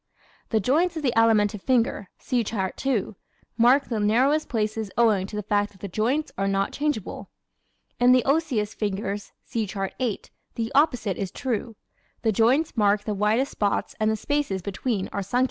The joints of the Alimentive finger (See Chart 2) mark the narrowest places owing to the fact that the joints are not changeable. In the Osseous fingers (See Chart 8) the opposite is true. The joints mark the widest spots and the spaces between are sunken.